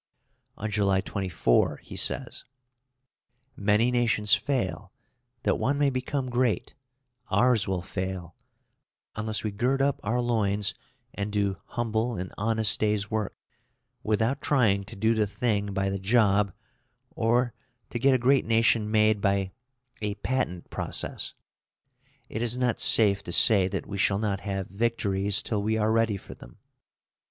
On July 24, he says: Many nations fail, that one may become great; ours will fail, unless we gird up our loins and do humble and honest days' work, without trying to do the thing by the job, or to get a great nation made by a patent process. It is not safe to say that we shall not have victories till we are ready for them.